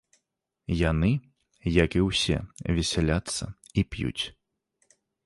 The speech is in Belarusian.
Яны, як і ўсе, вяселяцца і п'юць.